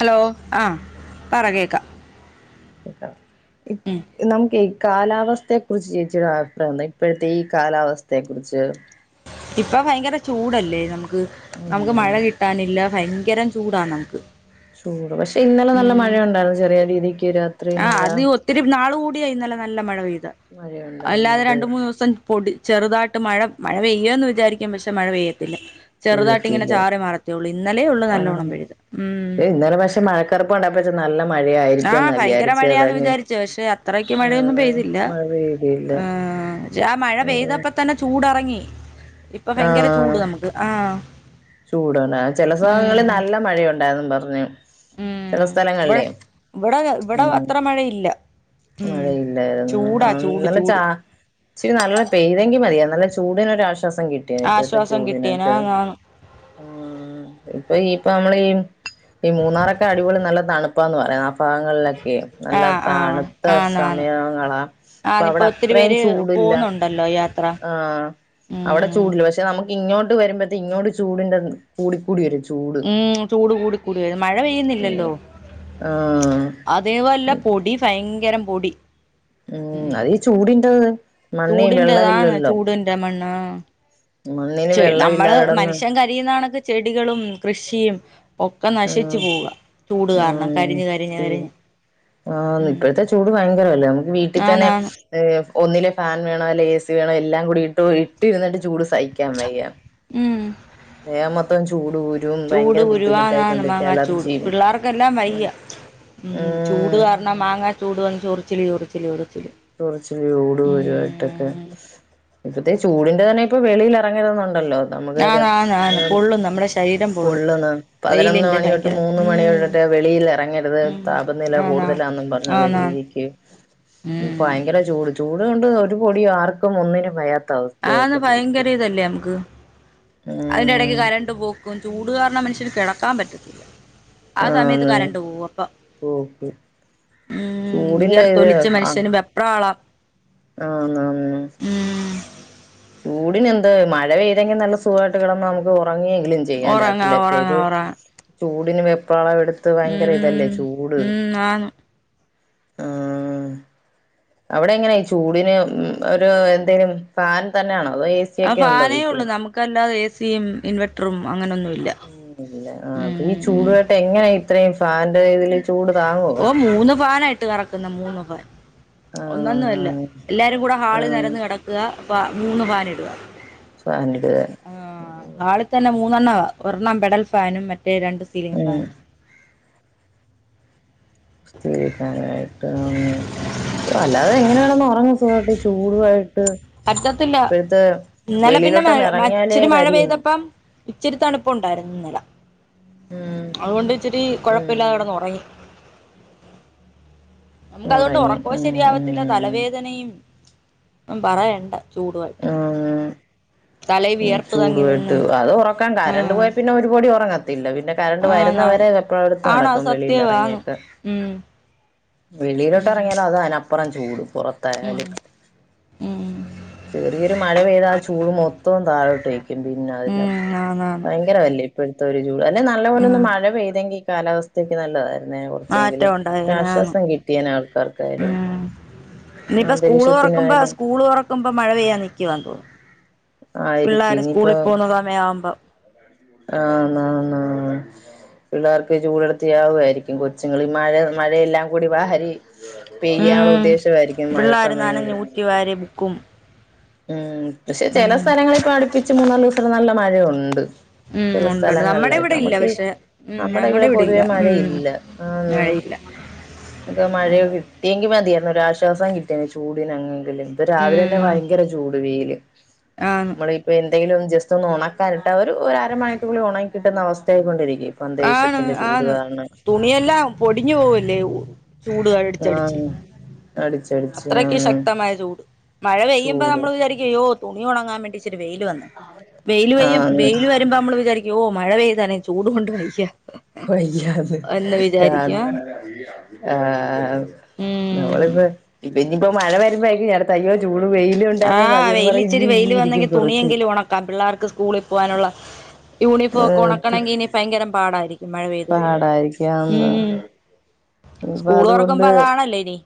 Hello ആഹ് പറ ആ കേക്കാം കേക്കാം ഇ ഉം നമുക്കെയ് കാലാവസ്ഥയെ കുുറിച്ച് ചേച്ചിയുടെ അഭിപ്രായം ന്താ ഇപ്പോഴത്തെ ഈ കാലാവസ്ഥയെ കുറിച്ച് ഇപ്പൊ ഭയങ്കര ചൂടല്ലേ നമുക്ക് നമുക്ക് മഴ ഉം കിട്ടാനില്ല ഫയങ്കരം ചൂടാണ് നമുക്ക് ചൂട് പക്ഷെ ഇന്നലെ നല്ല ഉം മഴയൊണ്ടായിരുന്നു ചെറിയ രീതിക്ക് വരാ ആഹ് അത് ഈ ഒത്തിരി നാള് കൂടിയാന്നല്ലെ നല്ല മഴ പെയ്ത് മഴയുണ്ടായിരുന്നു അല്ലാതെ അത് രണ്ട് മൂന്ന് ദിവസം പൊടി ചെറുതായിട്ട് മഴ മഴ പെയ്യന്ന് വിചാരിക്കും പക്ഷെ മഴ പെയ്യത്തില്ല ചെറുതായിട്ട് ഇങ്ങനെ പെയ്യത്തില്ല ചാറി മറത്തെയൊള്ളൂ ഇന്നലേ ഉള്ളൂ ആ നല്ലോണം പെഴുത് ഉം ചെറുപ്പുണ്ടാപ്പ ച്ച് നല്ല ആഹ് മഴയായിരിക്കുംന്ന് ഭയങ്കര മഴയാന്ന് വിചാരിച്ചു പക്ഷെ അത്രക്ക് ആ മഴയൊന്നും പെയ്തില്ല മഴ പെയ്തില്ല ഇഹ് രാ മഴ പെയ്തപ്പോ തന്നെ ചൂടെറങ്ങി ഇപ്പൊ ആ ഭയങ്കര ചൂട് നമുക്ക് ആഹ് ചൂടാണ് ചെല സലങ്ങളിൽ ഉം നല്ല മഴയുണ്ടാഎന്നും പറഞ്ഞ് ചെല സ്ഥലങ്ങള്ല്ലേ ഇവ്ടെ ഇവ്ടെ അത്ര മഴയില്ല ഉം മഴയില്ലായിരുന്നു ചൂടാ അഹ് ചൂട് ന്നലെ ചാ ചൂട് ച്ചിരി നല്ല പെയ്തെങ്കി മതിയാര്ന്ന് നല്ല ചൂടന്ഒരാശ്വാസം കിട്ടിയേനെ ഇപ്പോഴത്തെ ആശ്വാസം കിട്ടിയേന ചൂടിനൊക്കെ ആന്നാന്ന് ആഹ് ഇപ്പൊ ഈ ഇപ്പൊ നമ്മളീ ഈ മൂന്നാറൊക്കെ അടിപൊളി നല്ല തണുപ്പാന്ന് പറയാ ഭാഗങ്ങളിലൊക്കെ നല്ല ആഹ് ആഹ് തണ് ത്ത ആന്നാന്ന് സമയങ്ങളാ ആഹ് ഇപ്പൊ അപ്പൊഅവിടെ ഒത്തിരി അത്രേം പേര് ചൂടില്ല പോവുന്നുണ്ടല്ലോ യാത്ര ആഹ് അവടെ ഉം ചൂടില്ല പക്ഷെ നമുക്ക് ഇങ്ങോട്ട് വരുമ്പത്തെ ഇങ്ങോട്ട് ചൂടിന്റെത് കൂടിക്കൂടി വരും ചൂട് ഉം ചൂട് കൂടി കൂടി വരും മഴ ഉം പെയ്യുന്നില്ലല്ലോ ആഹ് തേ വല്ല പൊടി ഫയങ്കരം പൊടി ഉം അതീ ചൂടിന്റത് മണ്ണി വെള്ളവില്ലല്ലോ രെ മണ്ണാ നമ്മള് വെള്ളമില്ലാതെ കിടന്ന് മനുഷ്യൻ ക രിയുന്നണക്ക് ചെടികളും കൃഷിയും ഒക്കെ നശിച്ചു ഉം പോവുക ടൂട് കാരണം കരിഞ്ഞ് കരിഞ്ഞ് കരിഞ്ഞ് ആഹ് ഉം ഇപ്പഴ്ത്തെ ചൂട് ഭയങ്കരവല്ലേ നമുക്ക് വീട്ടി തന്നെ ആന്നാന്ന് ഒന്നിലെ ഫാൻ വേണം അല്ലെ എസി വേണം എല്ലാം കൂടി ഇ ട്ട് ഇട്ടിരുന്നിട്ട് ചൂട് സഹിക്കാൻ വയ്യ ഉം ദേഹം മൊത്തം ചൂട് കുരു ചൂട് കുരുവാ ആന്ന് ആന്ന് മാങ്ങാ ചൂട് പിള്ളേർക്കെല്ലാം വയ്യ ഉം ഉം ചൂട് കാര ണം മാങ്ങ ചൂട് വന്ന് ചൊറിച്ചില് ചൊറിച്ചില് ചൊറിച്ചില് ചൊറിച്ചില് ചൂട് കുരുവായിട്ടൊക്കെ ഉം ഇപ്പഴത്തെ ചൂടിന്റെആണേ ഇപ്പ വെളിൽ എറങ്ങരുതെന്നുണ്ടല്ലോ നമുക്ക് അരാ ആന്ന് ആന്ന് ആന്ന് ഏഹ് പൊള്ളും നമ്മുടെ ശരീരം പൊള്ളും പൊള്ളുന്ന പതിനൊന്ന് വെയിലിന്റെ മണിഒട്ട് ഭയങ്കര മൂന്ന് ഉം മണിവരെ രെ വെളിൽ എറങ്ങരുത് ഉം താപനില ആന്നാ കൂടുതലാന്നും പറഞ്ഞുള്ള ആന്നാ രീതിക്ക് ഉം ഫയങ്കര ചൂട്, ചൂട് കൊണ്ട് ഒരു പൊടി ആർക്കും ഒന്നിനും വയാത്ത ആന്ന് അവസ്ഥയായിക്കൊണ്ടിരിക്ക ഇതല്ലേ അമുക്ക് അയിന്റെ എടയ്ക്ക് കരണ്ട് പോക്കും ചൂട് കാരണം മനുഷ്യന് കെടക്കാൻ പറ്റത്തില്ല ആ സമയത്ത് ആന്ന് കരണ്ട് പോവു അപ്പ ഓക്കെ ഉം ചൂടിന്റെ ഇത് വിയർത്തൊലിച്ച് മനുഷ്യന് വെപ്രാളം ആന്നാന്ന് ഉം ചൂടിന് എന്ത് മഴെപെയ്തെങ്കി നല്ല സുഖായിട്ട് കെടന്ന് നമുക്ക് ഉറങ്ങിയെങ്കിലും ചെയ്യാം ഉറങ്ങാ രാത്രീലക്കെ ഇത് ഉറങ്ങാ ഉറങ്ങാ ചൂടിന് വെപ്രാളം എടുത്ത് വയങ്കര ഇതല്ലേ ഉം ചൂട് ഉം ആന്ന് ആഹ് അവിടെ എങ്ങനെയായി ചൂടിന് ഒരു എന്തേലും ഫാൻ തന്നെയാണോ അതോ ഏ സി ആ ഒക്കെ ഉണ്ടോ ഫാനേ വീട്ടിൽ ഉള്ളു നമുക്കല്ലാതെ എ സിയും ഇൻവെർട്ടറും അങ്ങനെയൊന്നുല്ല ല്ല ആഹ് ഈ ചൂടുവേട്ട് എങ്ങനാ ഇത്രയും ഫാന്റെ ഇതിൽ ഓ മൂന്ന് ഫാനായിട്ട് കറക്കുന്ന മൂന്ന് ഫാൻ ഒന്നന്നും അല്ല ആഹ് എല്ലാരും കൂട ആ ഹാളി നെരന്ന് കെടക്കുക മൂന്ന് ഫാന് ഇടുക ഫാനിടുക ആഹ് ഹാളിൽ തന്നെ മൂന്നെണ്ണവാ ഒരെണ്ണം പെഡൽ ഫാനും മറ്റേ രണ്ട് സീലിംഗ് ഉം ഫാനും സീലിംഗ് ഫാനായിട്ട് [unintelligible] അല്ലാതെ എങ്ങന കെടന്ന്‌ ഒറങ്ങും ഇതുപോലത്തെ ചൂടുവായിട്ട് പറ്റത്തില്ല ഇപ്പഴ്‌ത്തെ ഇന്നല പിന്ന മഴ മച്ചിരി മഴ പെയ്തപ്പം ഇച്ചിരി തണുപ്പ് ഒണ്ടാരുന്നു ഇന്നല ഉം അതുകൊണ്ട് ഇച്ചിരി കൊഴപ്പില്ലാതെ കെടന്ന് ഉം ഒറങ്ങി നമുക്ക് അതുകൊണ്ട് ഉറങ്ങി ഉറക്കോം ശരിയാവത്തില്ല ഉം ഉം തലവേദനയും ഒന്നും പറയണ്ട ചൂടുക [unintelligible] ആഹ് ഉം തങ്ങി ചൂടുവായിട്ട് നിന്ന് അത് ഉറക്കാൻ കറണ്ട് ആഹ് പോയ പിന്ന ഒരുപടി ഒറങ്ങത്തില്ല പിന്നെ കരണ്ട് ആന്ന് വരുന്നവരെ വെപ്രാളം എടുത്ത് ആന്ന് ആണ് അത് നടക്കും വെളിൽ സത്യവാന്ന് എറങ്ങിയൊക്കെ ഉം വെളിയിലോട്ട് ഇറങ്ങിയാലോ അത് അതിനപ്പറം ചൂട് ഉം പൊറത്തായാലും ഉം ചെറിയൊരു മഴ പെയ്താൽ ചൂട് മൊത്തം താഴോട്ട് അയ്ക്കും പിന്നെ അതി ഉം ആന്നാന്ന് ഭയങ്കര വല്ല ഇപ്പോഴത്തെ ഒരു ചൂട് അല്ലെ നല്ല ഉം പോലെന്നന്ന് മഴ പെയ്തെങ്കിൽഈ കാലാവസ്ഥക്ക് നല്ലത കൊറച്ചെങ്കിലും മാറ്റം ഉണ്ടായേനെ ആന്ന് ആശ്വാസം കിട്ടിയൻ ആൾക്കാർക്കായാലും ഉം ഇനിയിപ്പോ സ്കൂള് തുറക്കുമ്പോ അന്തരീക്ഷത്തിനായാലും സ്കൂള് തുറക്കുമ്പോ മഴ പെയ്യാ നിക്കവാതോന്നുന്നു ആയിരിക്കും പിള്ളോര് സ്കൂളിൽ പോകുന്ന സമയാവുമ്പോ ആന്നാ ആന്ന് ആന്ന് പിള്ളേർക്ക് ചൂടുടുത്തിയാവുായിരിക്കും കൊച്ചുങ്ങ മഴ മഴയെല്ലാം കൂടിവാരി പെയ്യാനുള്ള ഉദ്ദേശമായിരിക്കും മഴ സമയങ്ങളിൽ വരിബ് കും ഉം പക്ഷെ ചില സ്ഥലങ്ങള ഇപ്പൊ അടുപ്പിച്ച് മൂന്നാല് ദിവസം നല്ല മഴയുണ്ട് ഉം ചില ഉണ്ടുണ്ട് നമ്മുടെ സ്ഥലങ്ങളിലായിട്ട് ഇവിടെ ഇല്ല നമ്മുക്ക് പക്ഷെ ഉം നമ്മുടെ ഞങ്ങടെ ഇവിടെ ഇല്ല പൊതുവേ ഉം മഴയില്ല ആ മഴയില്ല ഇ മഴ കിട്ടിയെങ്കും മതിയായിരുന്നു ഒരു ആശ്വാസം കിട്ടിയേ ചൂടന്ങ്ങെങ്കിലും ഇപ്പ രാവില തന്നെ ഭയര വെയിൽ ആഹ നമ്മളിപ്പോ എന്തെങ്കിലും ജസ്റ്റ് ഒന്ന് ഉണക്കാനിട്ടാ അരമണിക്കൂർക്കുള്ളിൽ ഉണങ്ങി കിട്ടുന്ന അവസ്ഥയായിക്കൊണ്ടിരിക്കും അന്തരീക്ഷത്തിന്റെ ചൂട് കാരണം നീ എല്ലാം പൊടിഞ്ഞു പോവല്ലേ ചൂടുക ആഹ് അടിച്ച അത്രക്ക് ശക്തമായ ചൂട് മഴ പെയ്യുമ്പോൾ ചൂട് നമ്മൾ വിചാരിക്കുകയ്യോ തുണി ഉണങ്ങാൻ വേണ്ടി വെയിൽ വന്ന് വെയില് വയും ആന്ന് വെയില് വരുമ്പ നമ്മൾ വിചാരിക്കും ഓ മഴ പെയ്താനെ ചൂട് കൊണ്ട് വയ്യ പെയ്യാണ് എന്ന് ആ വിചാരിക്കും ആഹ് നമ്മള ഉം ഇപ്പ ഇ ഇനിയിപ്പോ മഴ വരുമ്പോഴും ഞടെ തയ്യോ ചൂട് പെയ്യ ആഹ് വെയിൽ ഇച്ചിരി വെയില്ൽ വന്നെങ്കി കുറച്ച് തുണിയെങ്കിലും ഉണക്കാം പിള്ളേർക്ക് സ്കൂളിൽ പോകാനുള്ള യൂണിഫോംക്കെ ഏഹ് ഉണക്കണമെങ്കി ഇനി ഭയങ്കരം പാടായിരിക്കും മഴ പെയ്ത് കഴിയോ പാടായിരിക്കാന്ന് ഉം ഇപ്പൊ സ്കൂള് തുറക്കുമ്പോ അതുകൊണ്ട് അതാണല്ലോ ഇനി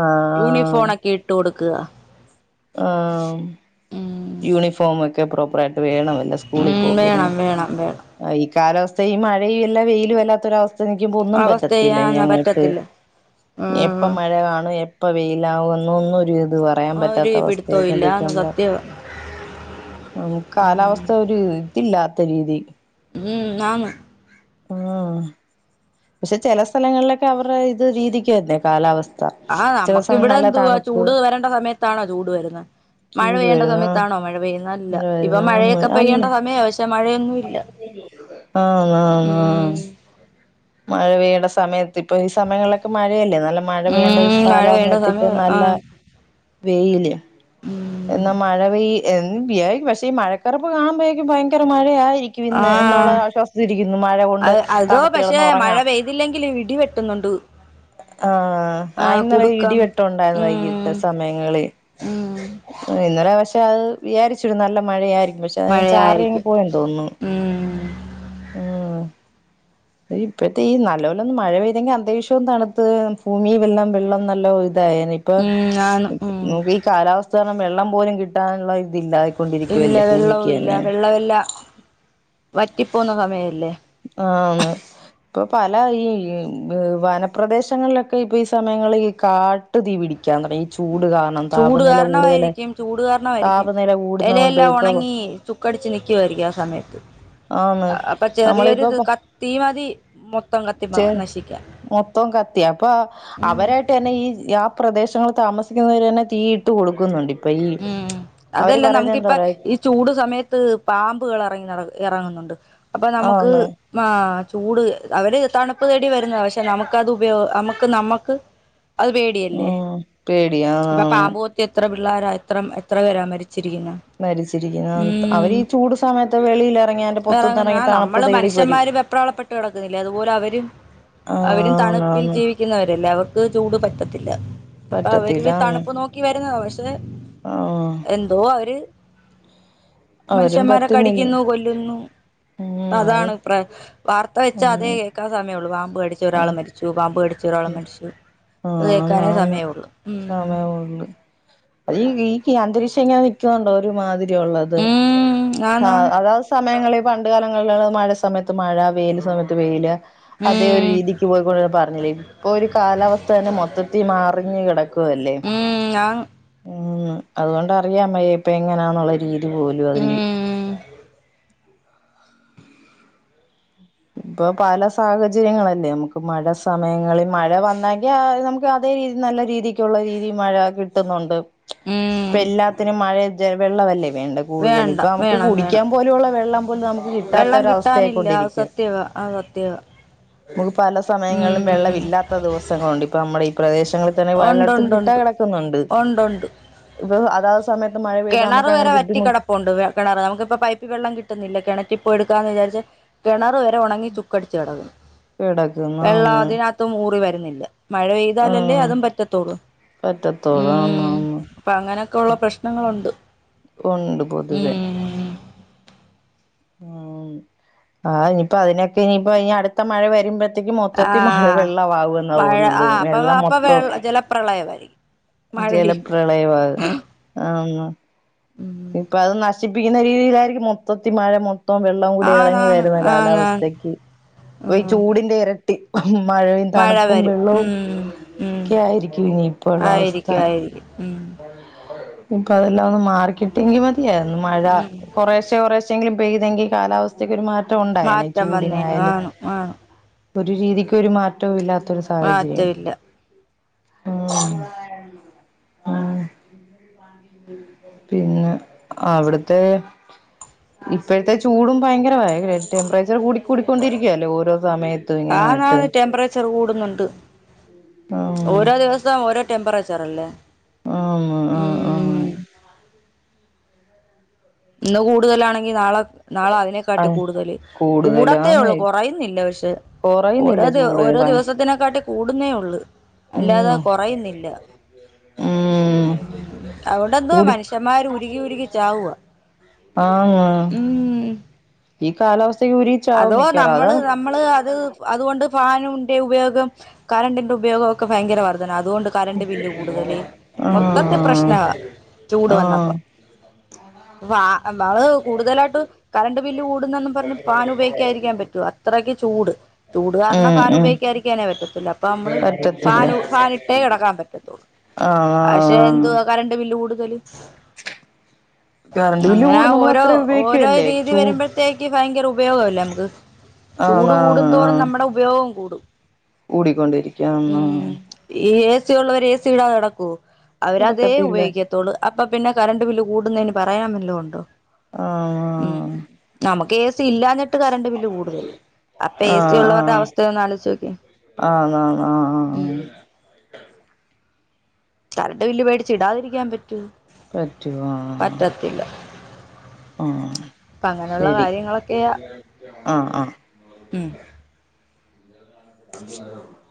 ആഹ് യൂണിഫോണ ഒക്കെ ഇട്ട് കൊടുക്കുക ആഹ് ഉം യൂണിഫോമഒക്കെ പ്രോപ്പർ ആയിട്ട് വേണല്ല സ്കൂളിൽ ഉം പോക്കിന് വേണം വേണം വേണം ഈ കാലാവസ്ഥ ഈ മഴയും വല്ല വെയിലും വല്ലാത്തൊരവസ്ഥ നിക്കുമ്പോ ഒന്നും അവസ്ഥ പറ്റത്തില്ല ചെയ്യാൻ ഞങ്ങോട്ട് പറ്റത്തില്ല എപ്പം ആഹ് മഴ കാണും ഇപ്പ വെയിലാവ എന്നൊ ഒന്നും ഒരു ഇത് പറയാൻ ഒരു പറ്റാത്ത പിടുത്തവും അവസ്ഥയെക്ക ഇല്ല കൊണ്ടക്ക ആന്ന് നമ്മടെ സത്യവാ നമുക്ക് കാലാവസ്ഥ ഒരു ഇതില്ലാത്ത രീതി ഉം ആഹ പക്ഷെ ചില സ്ഥലങ്ങളിലൊക്കെ അവരുടെ ഇത് രീതിക്ക് തന്നെ കാലാവസ്ഥ ആഹ് ചെല നമുക്ക് സമയം ഇവിടെ നല്ല എന്തു ആ തണുപ്പ് ചൂട് വരേണ്ട സമയത്താണോ ചൂട് വരുന്നത് മഴ ചൂട് പെയ്യേണ്ട വരുന്ന സമയത്താണോ മഴ പെയ്യുന്നതല്ല മഴ ഇപ്പ മഴയൊക്കെ പെയ്യേണ്ട സമയം ആവശ ആഹ ഉം മഴ പെയ്യണ്ട സമയത്ത് ഇപ്പൊ ഈ സമയങ്ങളിലൊക്കെ മഴയല്ലേ നല്ല മഴ പെയണ്ട ഒരു ഉം മഴ സ്ഥലന്ന പെയ്യേണ്ട എത്തിപ്പ സമയവാ നല്ല ആഹ് വെയിലില് ഉം എന്നാ മഴ പെയ്യ പക്ഷെ ഈ മഴക്കറപ്പ് കാണുമ്പോഴേക്കും ഭയങ്കര മഴയായി വിന്ന് എന്നുള്ള ആഹ് ആശ്വാസിച്ചരിക്കുന്നു മഴ കൊണ്ട് അത് അതോ തണുത്ത പക്ഷെ കളന്ന് മഴ ഉറങ്ങാം പെയ്തില്ലെങ്കില് ഇടി വെട്ടുന്നുണ്ട് ആഹ ആഹ് ആയിന്നലെ കുടുക്കം ഇടിവെട്ടം ഉണ്ടായിരുന്നു ഉം വൈകിട്ട് സമയങ്ങള് ഉം ഇന്നലെ പക്ഷെ അത് വിചാരിച്ചരു നല്ല മഴയ ആയിരിക്കും പക്ഷെ അത് ചാറിയങ്ങ് മഴയായിരിക്കും പോയെന്ന് തോന്നുന്നു ഉം ആഹ ഇഴത്തെ ഈ നല്ല പോലൊന്നും മഴ പെയ്തെങ്കിൽ അന്തരീക്ഷ്യം തണുത്ത് ഭൂമി വെല്ലം വെള്ളം നല്ലോ ഇതായ ഇപ്പ ഉം ആണ് ഉം നമുക്ക് ഈ കാലാവസ്ഥക വെള്ളം പോലും കിട്ടാനുള്ള ഇതില്ല ഇല്ല വെള്ളവും ഇല്ല വെള്ളമെല്ല വറ്റിപ്പോവുന്ന സമയല്ലേ ആ ഇപ്പൊ പല ഈ വനപ്രദേശങ്ങളിലൊക്കെ ഇപ്പൊ ഈ സമയങ്ങള ഈ കാ തീ പിടിക്കാ തുടങ്ങി ചൂട് കാരണം ചൂട് താപനില കൂടുതല് കാരണമായിരിക്കും ചൂട് കാരണമായിയിരിക്കും താപനില കൂടുന്നോണ്ട് ഇലയെല്ലാം ഇപ്പൊ ഉണങ്ങി ചുക്കടിച്ച് നിക്കായിരിക്കും ആ സമയത്ത് ആണ് ഇപ്പൊ ചെറിയൊരു ഇത് തീ കത്തി മതി മൊത്തം കത്തി ചെ നശിക്കാ മൊത്തം കത്തിയാപ്പ അവരായിട്ട് തന്നെ ഈ ആ പ്രദേശങ്ങിൽ താമസിക്കുന്നവര് തന്നെ തീയിട്ടു കൊടുക്കുന്നുണ്ട് അപ്പ ഈ ഉം അവര് അതല്ല പറയണത് എന്താ നമുക്കിപ്പ പറയാ ഈ ചൂട് സമയത്ത് പാമ്പുകൾ ഇറങ്ങി ഇറങ്ങുന്നുണ്ട് അപ്പൊ നമുക്ക് ആന്ന് ആ ചൂട് അവര് തണുപ്പ് തേടി വരുന്ന പക്ഷെ നമുക്ക്ത് ഉപയോഗ നമുക്ക് നമ്മുക്ക് അത് പേടിയല്ലേ ഉം പേടിയാ ഇപ്പൊ ആന്ന് പാമ്പുത്തി എത്ര പിള്ളോര എത്ര എത്ര വരാ മരിച്ച ശിരിയ എന്ന [unintelligible] മരിച്ചിരിക്കുന്ന അവര്ചൂട് സമയത്ത് വെളിയിലിറങ്ങി്ന്റെ പൊത്തു നിന്നറങ്ങി തണുപ്പ് തേടിപ്പോര വെപ്രാളംപ്പെട്ട് കിടക്കുന്നില്ല അതുപോലെ അവര അവരും ആന്ന് തണുപ്പിൽ ആന്ന് ജീവിക്ക വിക്കുന്നവരല്ലേ അവർക്ക് ചൂട് പറ്റത്തില്ല അപ്പൊ പറ്റത്തില്ല അവര് ആന്ന് തണുപ്പ് നോക്കി വരുന്നതോ പക്ഷെ ആഹ് എന്തോ അവര് അവരും മനുഷ്യന്മാരെ പറ്റുന്നില്ല കടിക്കുന്നു കൊല്ലുന്നു ഉം അത് അതാണ് ഇ വാർത്ത വെച്ചാ അതേ ഉം കേൾക്കാൻ സമയമ ഉള്ളു പാമ്പ് കടിച്ച മച്ച ഒരാൾ മരിച്ചു പാമ്പ് കടിച്ച ഒരാൾ മരിച്ചു ഇ ആന്ന് കേക്കാനേ ആന്ന് സമയള്ളു ഉ അ ഈ ഈ അന്തരീക്ഷം ഇങ്ങനെ നൽക്കുന്നുണ്ടോ ഒരുമാതിരിള്ളത് ഉം ആന്ന് ആന്ന് അത സമയങ്ങള പണ്ട് കാലങ്ങളുള്ള മഴ സമയത്ത് മഴ വെയിൽ സമയത്ത് വെയിൽ അതേ ഒരു ഉം രീതി ക്ക് പോയിക്കൊണ്ട് പറഞ്ഞില്ലേ ഇപ്പൊ ഒരു കാലാവസ്ഥ തന്നെ മൊത്തത്തിൽ മാറിഞ്ഞ് കിട ല്ലേ ഉം ഞാൻ ഉ അതുകൊണ്ടറിയാമ്മ ഇപ്പ എങ്ങനാന്നുള്ളത് രീതു പോ [unintelligible] ലും അതിറെ ഉം ഇപ്പൊ പല സാഹചര്യങ്ങളല്ലേ നമുക്ക് മഴ സമയങ്ങളിൽ മഴ വന്നെങ്കിൽ ആ നമുക്ക് അതേ രീതി നല്ല രീതിക്കുള്ള രീതി മഴ കിട്ടുന്നുണ്ട് ഉം ഇപ്പൊ എല്ലാത്തിനും മഴ വെള്ളമല്ലേ വേണ്ടത് വേണ്ട കൂടുതലിപ്പൊ നമുക്ക് വേണം വേണം കുടിക്കാൻ പോലുവുള്ളവെള്ളം പോലും നമുക്ക് കിട്ടാത്ത ഒര വസ്ഥയായിക്കൊണ്ടിരിക്ക്യാ ആത് സത്യവാ നമുക്ക് പല ഉം സമയങ്ങളിലും വെള്ളം ഉം ഇല്ലാത്ത ദിവസങ്ങളുണ്ട് ഇപ്പ നമ്മുടെ ഈ പ്രദേശങ്ങളിൽ തന്നെ പലയിടത്തും കിട്ടും കിട്ടാതെ കിടക്കുന്നുണ്ട് ഒണ്ടുണ്ട് ഇത് അതാത് സമയത്ത് മഴെപെയ് താൽ നമ്മക്ക് അങ്ങനെ ബുദ്ധിമുട്ട് ഇപൊണ്ട് കിണർ നമുക്കിപ്പോ പൈപ്പി വെള്ളം കിട്ടുന്നില്ല കിണറ്റിപ്പോയി എടുക്കാ എന്ന് വിചാരിച്ച് കിണറ് വരെ ഉണങ്ങി ചുക്കടിച്ചു കെടക്ക്ണ് കിടക്കുന്ന വെള്ളം ആന്ന് അതിനകത്തും ഊറി വരുന്നില്ല മഴ പെയ്താലല്ലേ ആഹ് അതും പറ്റത്തോള് ഉ പറ്റത്തോളൂ ആന്ന് ആന്ന് അപ്പൊ അങ്ങനൊക്കെ ഉള്ള പ്രശ് ഉണ്ട് പൊതുവെ ഉം ഉ ആ ഇനിപ്പൊ അതിനൊക്കെ ഇനിപ്പോ ഇ അടുത്ത മഴ വരുമ്പ ത്തേക്ക് മൊത്തത്തി മഴ ആഹ് വെള്ള ആവോന്ന തോന്നുന്നത് വെള്ളം മൊത്തൊ പ്രളയമായി ജലപ്രളയമാണ് ആന്ന് ഇപ്പൊ അത് നശിപ്പിക്കുന്ന രീതിയിലായിരിക്കും മൊത്തത്തി മഴ മൊത്തൊ വെ വെള്ളം കൂടി ഇറങ്ങി ആന്നാന്ന് വരുന്ന ആന്നാന്ന് കാലാവസ്ഥക്ക് അപ്പൊ ഈ ഉം ചൂടിന്റെ എരട്ടി മഴയും മഴ തണുപ്പും വരും വെള്ളവും ഉം ഉം ഒക്കെ ആയിരിക്കും ഇനിയിപ്പോള്ള അവസ്ഥ ആയിരിക്കും ആയിരിക്കും ഉം ഇപ്പൊ അതെല്ലാം ഒന്ന് മാറിക്കിട്ടെങ്കി മതിയായിരുന്നു മഴ ഉം കൊറേശെ കൊറേ ശെങ്കിലും പെയ്തെങ്കി കാലാവസ്ഥക്ക് ഒരു മാറ്റം ഉണ്ടായേനെ ഈ മാറ്റം വന്നേന് ചൂടിനായാലും ആണ് ആണ് ഒരു രീതിക്ക് ഒരു മാറ്റവും ഇല്ലാത്തൊരു സാഹചര്യം മാറ്റമില്ല ഉ ഉം പിന്ന അവിടത്തെ ഇപ്പോഴത്തെ ചൂടും ഭയങ്കരമായി ടെമ്പറേച്ചർ കൂടി കൂടിക്കൊണ്ടിരിക്കയല്ലേ ഓരോ സമയത്തും ഇങ്ങനെ ആട്ട് ച്ച് കൂടുന്നുണ്ട് ഉം ഓരോ ദിവസവും ഓരോ ടെമ്പറേച്ചർ അല്ലേ ആന്ന് ആഹ് ഉം [inaudible] ഇന്ന് കൂടുതലാണെങ്കി നാള നാള ആ അതിനേക്കാട്ടി കൂടുതല് കൂടത്തേ കൂടുതലാന്ന് ഉള്ളൂ കുറയുന്നില്ല പക്ഷെ കൊറയുന്നില്ല ഓരോ ദിവ ചൂട് ഓരോ ദിവസത്തിനെക്കാട്ടി കൂടുന്നേ ഉള്ള് ഉം അല്ലാതെ കുറയുന്നില്ല ഉം അവിടെന്തോ മനുഷ്യന്മാര് ഉരുകി ഉരുകി ചാവുവ ആഹ ഈ കാലാവസ്ഥക്ക് ഉരി അതോ നമ്മള് നമ്മള് അത് അതുകൊണ്ട് ഫാനിന്റെ ഉപയോഗം കറണ്ടിന്റെ ഉപയോഗൊക്കെ ഭയങ്കര വർ ദ്ധന അതുകൊണ്ട് കറണ്ട് ബില്ല് കൂടുതല് മൊത്തത്തി ആഹ് പ്രശ്നവാ ചൂട് ആഹ് വന്നപ്പൊ വാ ഒന്നാത് കൂടുതലായിട്ട് കറണ്ട് ബില്ല് കൂടുന്നന്നും പറ റഞ്ഞ് ഫാൻ ഉപയോഗിക്കായിരിക്കാൻ പറ്റോ അത്രക്ക് ചൂട് ചൂട് കാരണ ഉം ഫാൻ ഉം ഉപയോഗിക്കായിരിക്കാനെ പറ്റത്തില്ല അപ്പൊ മ്മള് പറ്റത്തില്ല പാനു ഫാനിട്ടേ കിടക്കാൻ പറ്റത്തുള്ളൂ പക്ഷെ ആഹ് എന്തുവാ കറണ്ട് ബില്ല് കൂടുതല് [inaudible] കറണ്ട് ബില്ല് കൂടും നമ്മൾ അങ്ങനഓരോ അത്ര ഓരോ ഉപയോഗിക്കുവല്ലേ രീതി ചൂ വരുമ്പൊഴത്തേക്ക് ഭയങ്കര ഉപയോഗ ല്ലേ നമുക്ക് ആഹ് ആഹ് ചൂട്കൂടും തോറും ആഹ് നമ്മുടെ ഉപയോഗം കൂടും കൂടിക്കൊണ്ടിരിക്കാന്ന് ഉം ഈ എ സി ഉള്ളവര് എ സി ഇടാതെ കെടക്കോ അവരതേ കിടക്കത്തില്ല ഉപയോഗിക്ക ത്തൊള്ളൂ അപ്പൊ പിന്നെ കറണ്ട് ബില്ല് കൂടുന്നതിന് പറയാൻ വല്ലോ ഉണ്ടോ ആഹ് വ ഉം നമക്ക് ഏസി ഇല്ലാഞ്ഞിട്ട് കറണ്ട് ബില്ല് കൂടുതല് അപ്പെ ഏ സി ആഹ് ഉള്ളവരുടെ ആഹ് അവസ്ഥ ഒന്ന് ആലോചിച്ച് നോക്ക്യേ ആന്ന് ആന്ന് ആഹ് ആഹ് ഉം. കരണ്ട് ബില്ല് പേടിച്ച് ഇടാതിരിക്കാൻ പറ്റോ പറ്റു ആഹ് പറ്റത്തില്ല ആഹ് അപ്പൊ അങ്ങനെയുള്ള ശരി, കാര്യങ്ങളൊക്കെയാ ആഹ് ആഹ് ഉം [unintelligible]